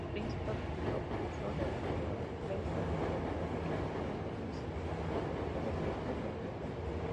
Principal propulsor del progreso del territorio y personaje respetable de la historia local.